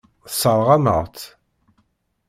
Tesseṛɣem-aɣ-tt.